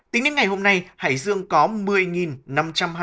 tính đến ngày hôm nay hải dương có một mươi năm trăm linh mẫu xét nghiệm